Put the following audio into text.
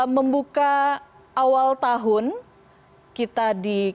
membuka awal tahun kita di